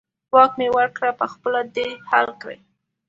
واک مې ورکړی، په خپله دې حل کړي.